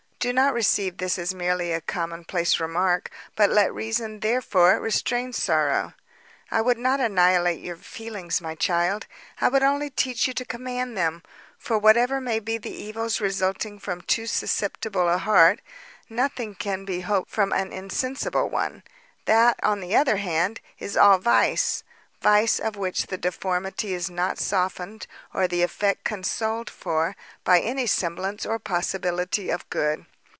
Do not receive this as merely a commonplace remark, but let reason therefore restrain sorrow. I would not annihilate your feelings, my child, I would only teach you to command them; for whatever may be the evils resulting from a too susceptible heart, nothing can be hoped from an insensible one; that, on the other hand, is all vice—vice, of which the deformity is not softened, or the effect consoled for, by any semblance or possibility of good.